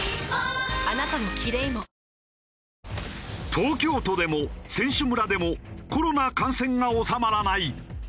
東京都でも選手村でもコロナ感染が収まらない。